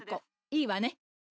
いいわね？